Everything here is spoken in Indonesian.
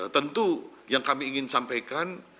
tentu yang kami ingin sampaikan